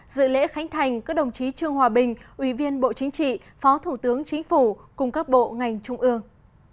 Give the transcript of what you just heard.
dự lễ khánh thành các đồng chí trương hòa bình ủy viên bộ chính trị phó thủ tướng chính phủ cùng các bộ ngành trung ương